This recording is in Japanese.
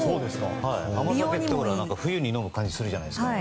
甘酒って冬に飲む感じがするじゃないですか。